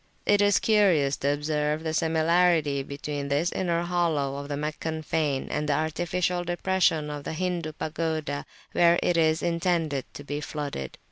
It is curious to observe the similarity between this inner hollow of the Meccan fane and the artificial depression of the Hindu pagoda where it is intended to be flooded.